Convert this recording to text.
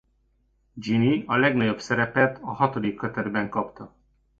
Ginny a legnagyobb szerepet a hatodik kötetben kapta.